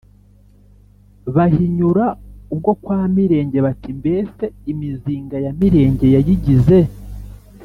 bahinyura ubwo kwa Mirenge bati: “Mbese imizinga ya Mirenge yayigize